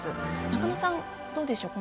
仲野さん、どうでしょうか？